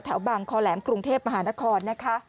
แถวบางคอแหลมกรุงเทพฯมหานคร